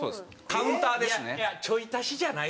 カウンターですね。